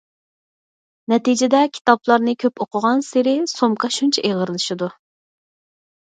نەتىجىدە كىتابلارنى كۆپ ئوقۇغانسېرى سومكا شۇنچە ئېغىرلىشىدۇ.